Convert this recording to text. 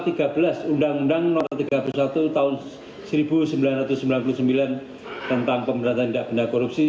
atau pasal tiga belas undang undang no tiga puluh satu tahun seribu sembilan ratus sembilan puluh sembilan tentang pemerintahan tidak benda korupsi